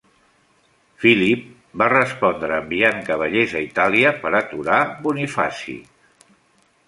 Philip va respondre enviant cavallers a Itàlia per aturar Bonifacio.